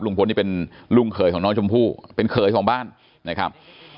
ลุงพลนี่เป็นลูกเขยของน้องชมพู่เป็นเขยของบ้านนะครับ